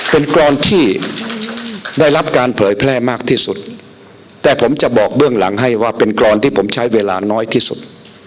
เป็นกรอนที่ได้รับการเผยแพร่มากที่สุดแต่ผมจะบอกเบื้องหลังให้ว่าเป็นกรอนที่ผมใช้เวลาน้อยที่สุด